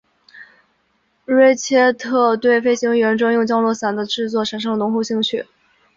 瑞切特对飞行员专用降落伞的制作产生了浓厚兴趣。